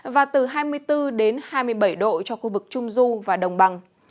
và từ hai mươi bốn đến hai mươi bảy độ cho khu vực trung du và đồng bằng